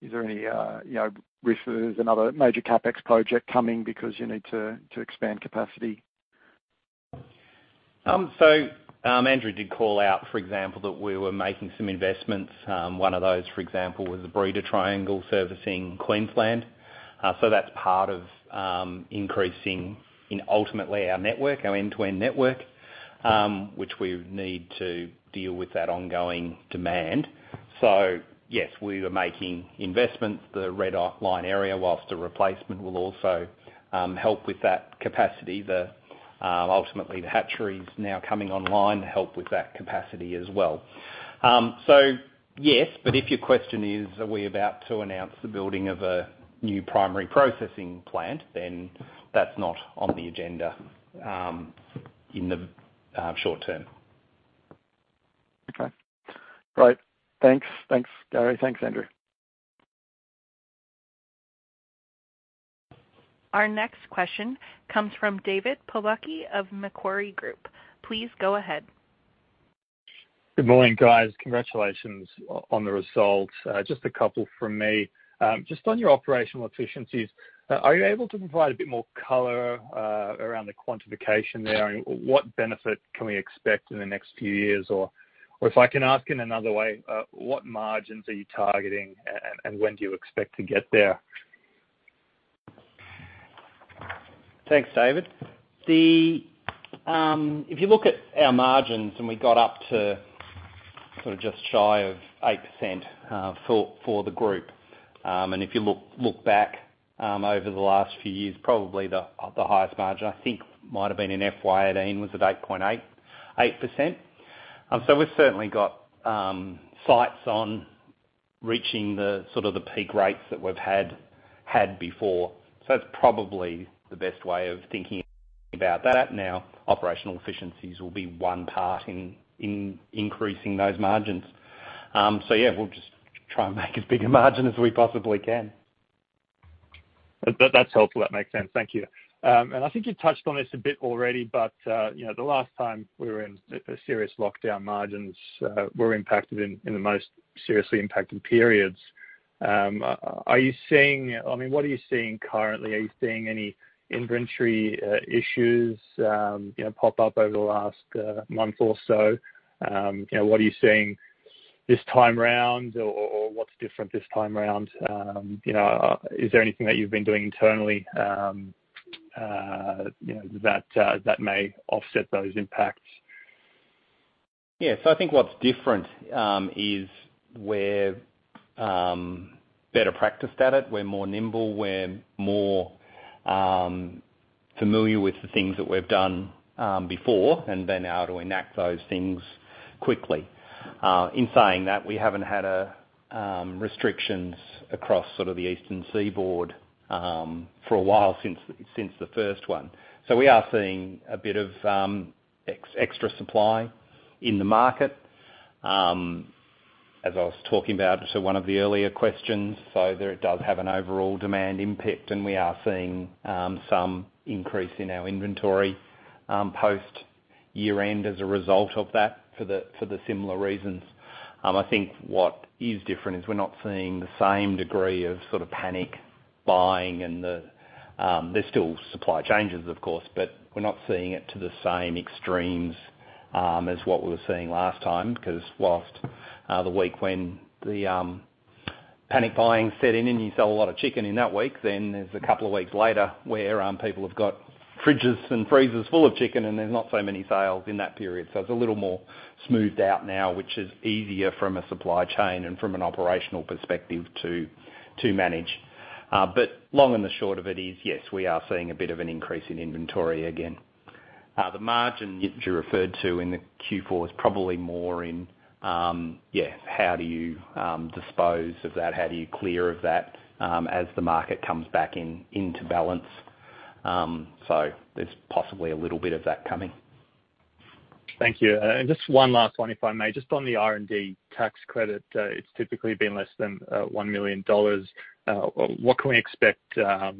Is there any risk of another major CapEx project coming because you need to expand capacity? Andrew did call out, for example, that we were making some investments. One of those, for example, was the breeder triangle servicing Queensland. That's part of increasing ultimately our network, our end-to-end network, which we need to deal with that ongoing demand. Yes, we were making investments, the red line area, whilst the replacement will also help with that capacity. Ultimately, the hatcheries now coming online help with that capacity as well. Yes, but if your question is, are we about to announce the building of a new primary processing plant, then that's not on the agenda in the short term. Okay. Great. Thanks. Thanks, Gary. Thanks, Andrew. Our next question comes from David Pobucky of Macquarie Group. Please go ahead. Good morning, guys. Congratulations on the results. Just a couple from me. Just on your operational efficiencies, are you able to provide a bit more color around the quantification there? What benefit can we expect in the next few years? If I can ask in another way, what margins are you targeting and when do you expect to get there? Thanks, David. If you look at our margins, we got up to sort of just shy of 8% for the group. If you look back over the last few years, probably the highest margin I think might have been in FY 2018, was at 8.8%. We've certainly got sights on reaching the peak rates that we've had before. That's probably the best way of thinking about that. Now, operational efficiencies will be one part in increasing those margins. Yeah, we'll just try and make as big a margin as we possibly can. That's helpful. That makes sense. Thank you. I think you've touched on this a bit already, the last time we were in a serious lockdown, margins were impacted in the most seriously impacted periods. What are you seeing currently? Are you seeing any inventory issues pop up over the last month or so? What are you seeing this time around? What's different this time around? Is there anything that you've been doing internally that may offset those impacts? Yeah. I think what's different is we're better practiced at it. We're more nimble, we're more familiar with the things that we've done before, and then how to enact those things quickly. In saying that, we haven't had restrictions across the Eastern Seaboard for a while, since the first one. We are seeing a bit of extra supply in the market. As I was talking about to one of the earlier questions, so there it does have an overall demand impact and we are seeing some increase in our inventory post year-end as a result of that for the similar reasons. I think what is different is we're not seeing the same degree of panic buying. There's still supply changes, of course, but we're not seeing it to the same extremes as what we were seeing last time. Whilst the week when the panic buying set in and you sell a lot of chicken in that week, then there's a couple of weeks later where people have got fridges and freezers full of chicken and there's not so many sales in that period. It's a little more smoothed out now, which is easier from a supply chain and from an operational perspective to manage. Long and the short of it is, yes, we are seeing a bit of an increase in inventory again. The margin you referred to in the Q4 is probably more in, yeah, how do you dispose of that? How do you clear of that as the market comes back into balance? There's possibly a little bit of that coming. Thank you. Just one last one, if I may. Just on the R&D tax credit, it's typically been less than 1 million dollars. What can we expect in FY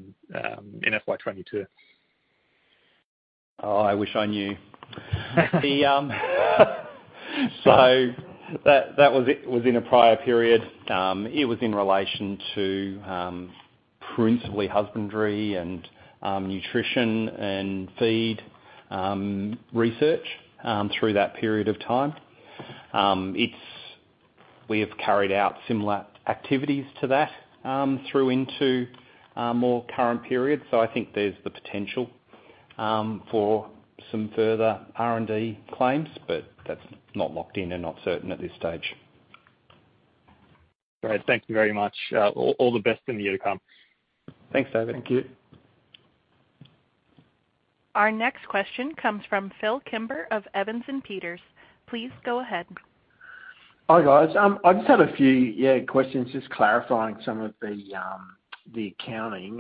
2022? Oh, I wish I knew. That was in a prior period. It was in relation to principally husbandry and nutrition and feed research through that period of time. We have carried out similar activities to that through into more current periods. I think there's the potential for some further R&D claims, but that's not locked in and not certain at this stage. Great. Thank you very much. All the best in the year to come. Thanks, David. Thank you. Our next question comes from Phillip Kimber of Evans and Partners. Please go ahead. Hi, guys. I just have a few questions just clarifying some of the accounting.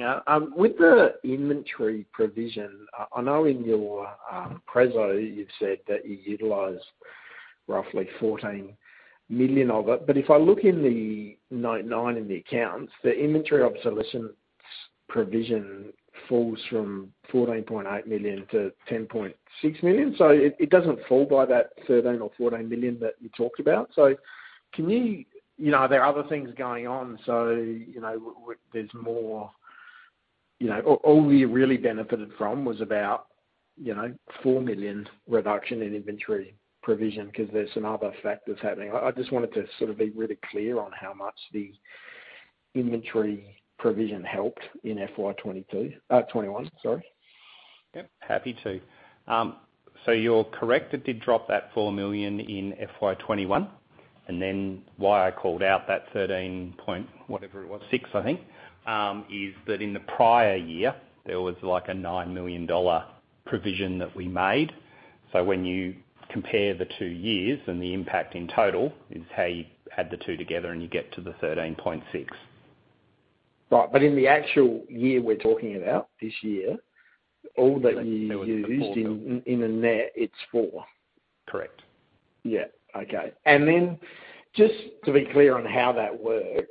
With the inventory provision, I know in your preso you've said that you utilized roughly 14 million of it. If I look in the Note 9 in the accounts, the inventory obsolescence provision falls from 14.8 million-10.6 million. It doesn't fall by that 13 million or 14 million that you talked about. Are there other things going on, so all we really benefited from was about 4 million reduction in inventory provision because there's some other factors happening? I just wanted to be really clear on how much the inventory provision helped in FY 2021, sorry. Yep, happy to. You're correct. It did drop that 4 million in FY 2021. Why I called out that 13.6, whatever it was, I think, is that in the prior year there was like an 9 million dollar provision that we made. When you compare the two years and the impact in total is how you add the two together and you get to the 13.6. Right. In the actual year we're talking about, this year, all that you used. There was the four mill. In a net, it's four. Correct. Yeah. Okay. Just to be clear on how that works,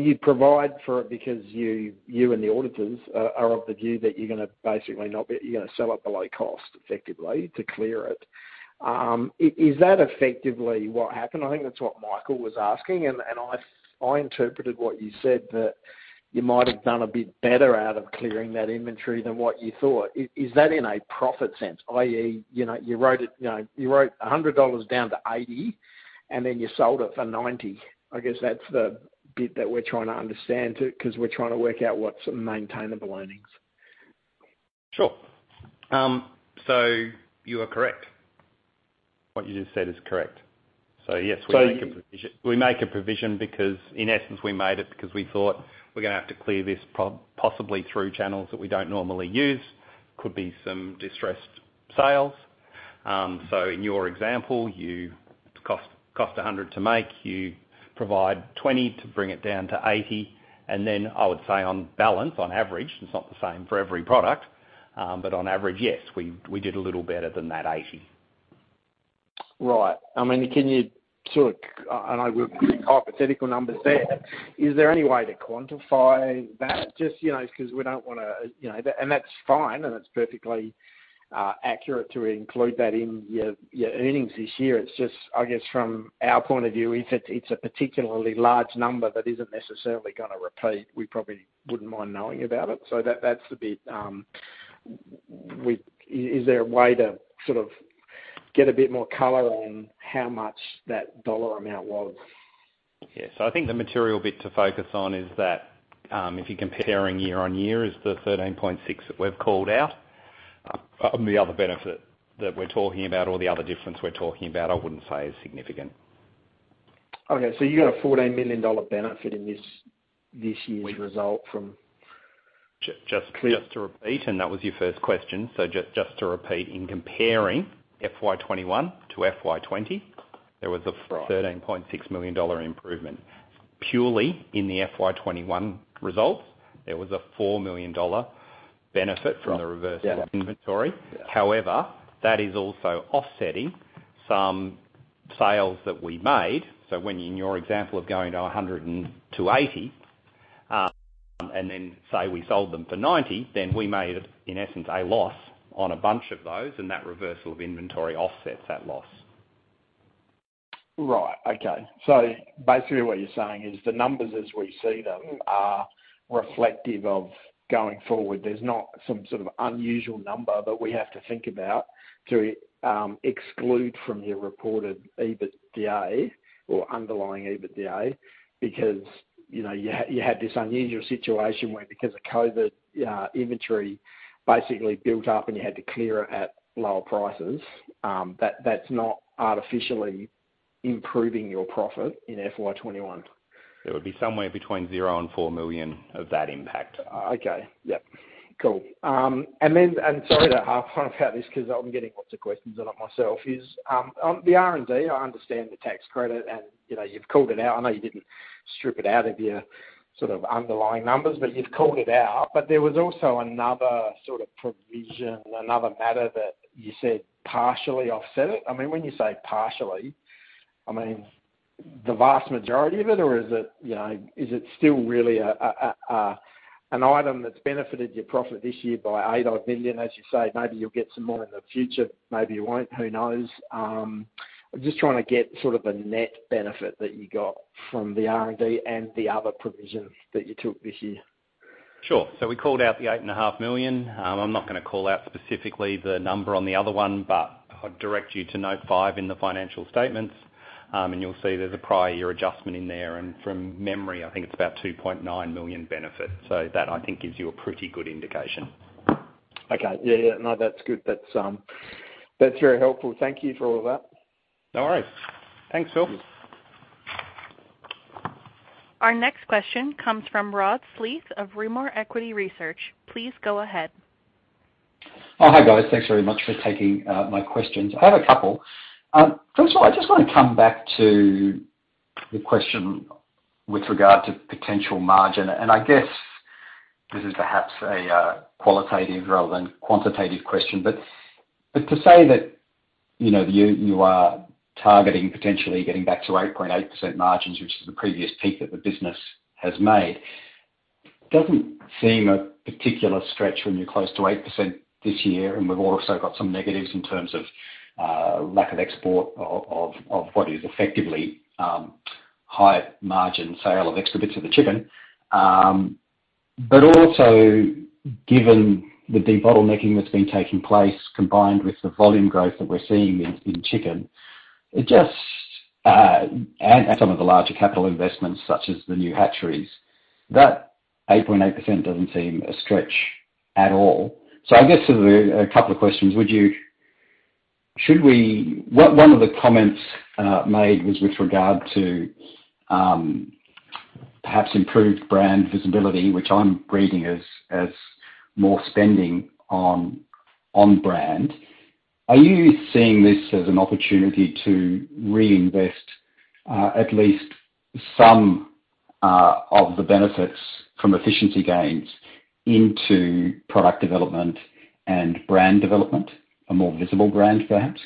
you provide for it because you and the auditors are of the view that you're going to sell it below cost, effectively, to clear it. Is that effectively what happened? I think that's what Michael was asking, and I interpreted what you said that you might have done a bit better out of clearing that inventory than what you thought. Is that in a profit sense, i.e., you wrote 100 dollars down to 80, and then you sold it for 90? I guess that's the bit that we're trying to understand, too, because we're trying to work out what's maintainable earnings. Sure. You are correct. What you just said is correct. Yes, we make a provision because, in essence, we made it because we thought we're going to have to clear this possibly through channels that we don't normally use. Could be some distressed sales. In your example, you cost 100 to make, you provide 20 to bring it down to 80. Then I would say on balance, on average, it's not the same for every product, but on average, yes, we did a little better than that 80. Right. I know we're hypothetical numbers there. Is there any way to quantify that? Just because we don't want to. That's fine, and it's perfectly accurate to include that in your earnings this year. It's just, I guess from our point of view, if it's a particularly large number that isn't necessarily going to repeat, we probably wouldn't mind knowing about it. That's the bit. Is there a way to get a bit more color on how much that dollar amount was? Yeah. I think the material bit to focus on is that, if you're comparing year-over-year, is the 13.6 that we've called out. On the other benefit that we're talking about, or the other difference we're talking about, I wouldn't say is significant. You got a 14 million dollar benefit in this year's result from. Just to repeat, and that was your first question. Just to repeat, in comparing FY 2021-FY 2020. Right. AUD 13.6 million improvement. Purely in the FY21 results, there was a AUD 4 million benefit from the reversal of inventory. Yeah. That is also offsetting some sales that we made. When in your example of going to 100-80, and then say we sold them for 90, then we made, in essence, a loss on a bunch of those, and that reversal of inventory offsets that loss. Right. Okay. Basically what you're saying is the numbers as we see them are reflective of going forward. There's not some sort of unusual number that we have to think about to exclude from your reported EBITDA or underlying EBITDA because, you had this unusual situation where because of COVID, inventory basically built up and you had to clear it at lower prices, that's not artificially improving your profit in FY 2021. It would be somewhere between 0 million and 4 million of that impact. Okay. Yep. Cool. Sorry to harp on about this because I'm getting lots of questions on it myself, is on the R&D, I understand the tax credit and you've called it out. I know you didn't strip it out of your underlying numbers, but you've called it out. There was also another sort of provision, another matter that you said partially offset it. When you say partially, the vast majority of it, or is it still really an item that's benefited your profit this year by 8-odd million, as you say, maybe you'll get some more in the future, maybe you won't, who knows. I'm just trying to get sort of a net benefit that you got from the R&D and the other provisions that you took this year. Sure. We called out the 8.5 million. I'm not going to call out specifically the number on the other one, but I'd direct you to note five in the financial statements, and you'll see there's a prior year adjustment in there, and from memory, I think it's about 2.9 million benefit. That I think gives you a pretty good indication. Okay. Yeah. No, that's good. That's very helpful. Thank you for all of that. No worries. Thanks. Our next question comes from Rod Sleath of Rimor Equity Research. Please go ahead. Hi guys. Thanks very much for taking my questions. I have a couple. First of all, I just want to come back to the question with regard to potential margin. I guess this is perhaps a qualitative rather than quantitative question, but to say that you are targeting potentially getting back to 8.8% margins, which is the previous peak that the business has made, doesn't seem a particular stretch when you're close to 8% this year, and we've also got some negatives in terms of lack of export of what is effectively higher margin sale of extra bits of the chicken. Also, given the de-bottlenecking that's been taking place, combined with the volume growth that we're seeing in chicken, and some of the larger capital investments such as the new hatcheries, that 8.8% doesn't seem a stretch at all. I guess there's a couple of questions. One of the comments made was with regard to perhaps improved brand visibility, which I'm reading as more spending on brand. Are you seeing this as an opportunity to reinvest at least some of the benefits from efficiency gains into product development and brand development? A more visible brand, perhaps?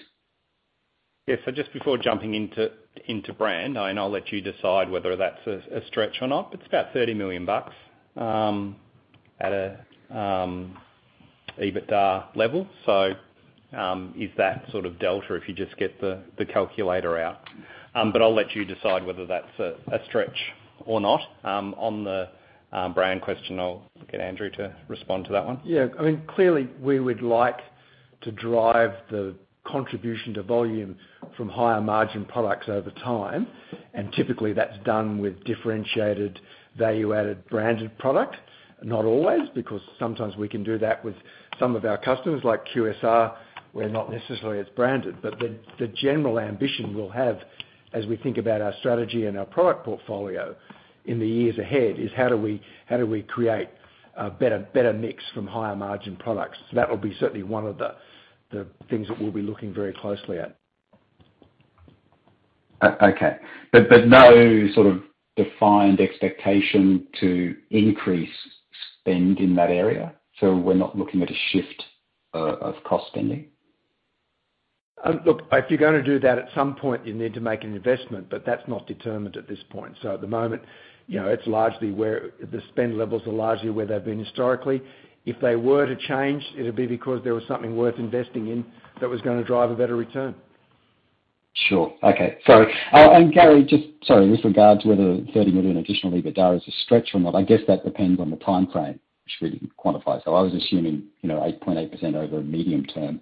Yeah. Just before jumping into brand, and I'll let you decide whether that's a stretch or not, but it's about 30 million bucks, at a EBITDA level. Is that sort of delta if you just get the calculator out. I'll let you decide whether that's a stretch or not. On the brand question, I'll get Andrew to respond to that one. Yeah. Clearly, we would like to drive the contribution to volume from higher margin products over time, typically that's done with differentiated value-added branded product. Not always, because sometimes we can do that with some of our customers like QSR, where not necessarily it's branded. The general ambition we'll have as we think about our strategy and our product portfolio in the years ahead is how do we create a better mix from higher margin products? That will be certainly one of the things that we'll be looking very closely at. Okay. No sort of defined expectation to increase spend in that area? We're not looking at a shift of cost spending? If you're going to do that, at some point you need to make an investment, but that's not determined at this point. At the moment, the spend levels are largely where they've been historically. If they were to change, it would be because there was something worth investing in that was going to drive a better return. Sure. Okay. Sorry. Gary, just with regards whether 30 million additional EBITDA is a stretch or not, I guess that depends on the timeframe, which we didn't quantify. I was assuming 8.8% over medium-term.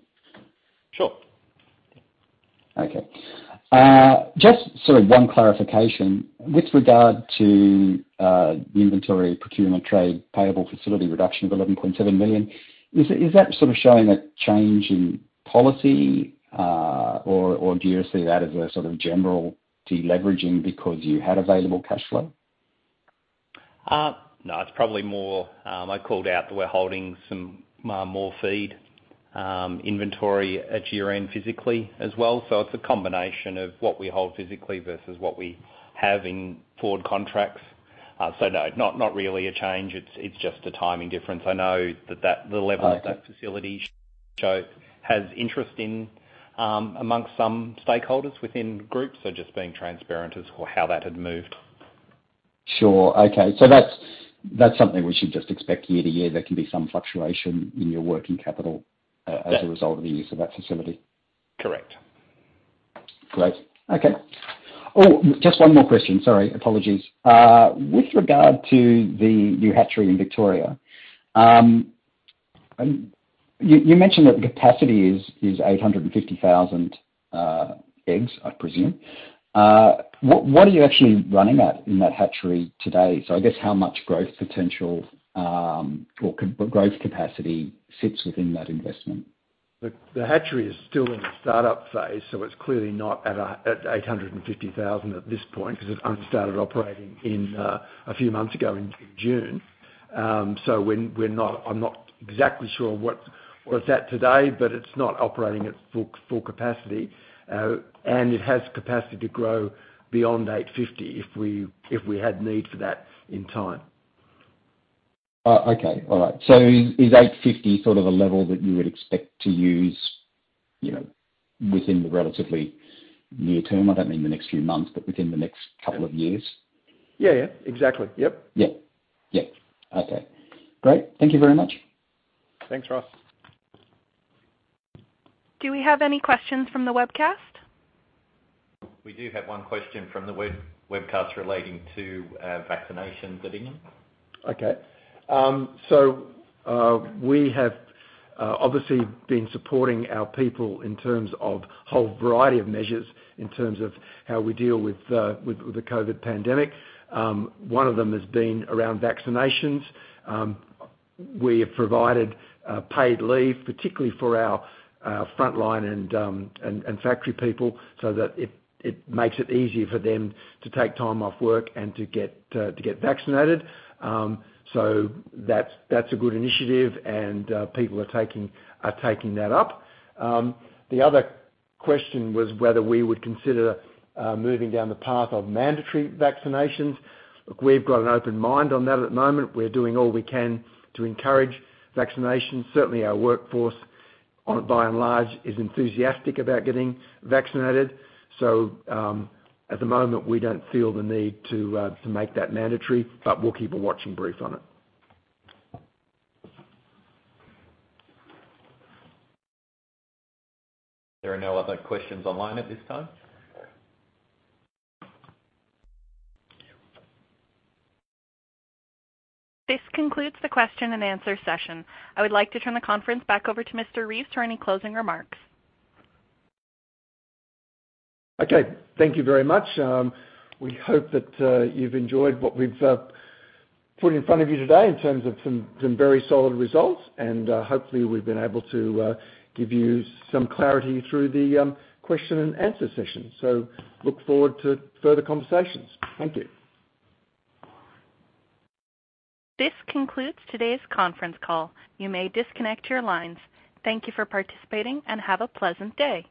Sure. Okay. Just one clarification. With regard to the inventory procurement trade payable facility reduction of 11.7 million, is that showing a change in policy? Or do you see that as a general de-leveraging because you had available cash flow? It's probably more, I called out that we're holding some more feed inventory at year-end physically as well. It's a combination of what we hold physically versus what we have in forward contracts. No, not really a change. It's just a timing difference. I know that the level of that facility show has interest amongst some stakeholders within groups. Just being transparent as for how that had moved. Sure. Okay. That's something we should just expect year to year, there can be some fluctuation in your working capital. Yeah. As a result of the use of that facility. Correct. Great. Okay. Oh, just one more question. Sorry. Apologies. With regard to the new hatchery in Victoria, you mentioned that the capacity is 850,000 eggs, I presume. What are you actually running at in that hatchery today? I guess how much growth potential or growth capacity sits within that investment? The hatchery is still in the startup phase, so it's clearly not at 850,000 at this point because it only started operating a few months ago in June. I'm not exactly sure where it's at today, but it's not operating at full capacity. It has capacity to grow beyond 850 if we had need for that in time. Okay. All right. Is 850 sort of a level that you would expect to use within the relatively near term? I don't mean the next few months, but within the next couple of years? Yeah. Exactly. Yep. Yeah. Okay. Great. Thank you very much. Thanks, Rod. Do we have any questions from the webcast? We do have one question from the webcast relating to vaccinations at Ingham's. We have obviously been supporting our people in terms of a whole variety of measures in terms of how we deal with the COVID pandemic. One of them has been around vaccinations. We have provided paid leave, particularly for our frontline and factory people so that it makes it easier for them to take time off work and to get vaccinated. That's a good initiative, and people are taking that up. The other question was whether we would consider moving down the path of mandatory vaccinations. Look, we've got an open mind on that at the moment. We're doing all we can to encourage vaccinations. Certainly, our workforce by and large, is enthusiastic about getting vaccinated. At the moment, we don't feel the need to make that mandatory, but we'll keep a watching brief on it. There are no other questions online at this time. This concludes the question-and-answer session. I would like to turn the conference back over to Mr. Reeves for any closing remarks. Okay. Thank you very much. We hope that you've enjoyed what we've put in front of you today in terms of some very solid results. Hopefully we've been able to give you some clarity through the question and answer session. Look forward to further conversations. Thank you. This concludes today's conference call. You may disconnect your lines. Thank you for participating and have a pleasant day.